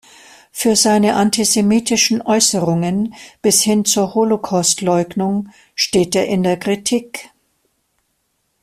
Für seine antisemitischen Äußerungen bis hin zur Holocaustleugnung steht er in der Kritik.